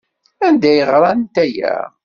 Anda ay ɣrant aya?